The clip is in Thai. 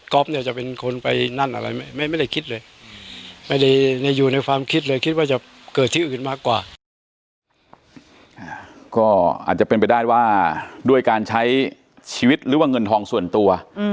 ก็อาจจะเป็นไปได้ว่าด้วยการใช้ชีวิตหรือว่าเงินทองส่วนตัว